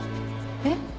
えっ？